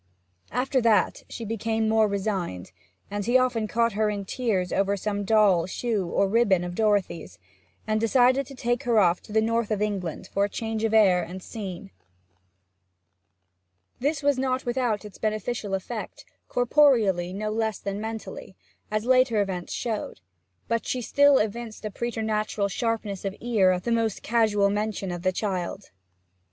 After that she became more resigned, but he often caught her in tears over some doll, shoe, or ribbon of Dorothy's, and decided to take her to the North of England for change of air and scene. This was not without its beneficial effect, corporeally no less than mentally, as later events showed, but she still evinced a preternatural sharpness of ear at the most casual mention of the child.